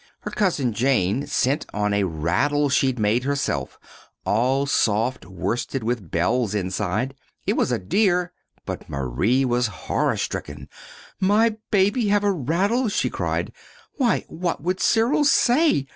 "Her Cousin Jane sent on a rattle she'd made herself, all soft worsted, with bells inside. It was a dear; but Marie was horror stricken. 'My baby have a rattle?' she cried. 'Why, what would Cyril say?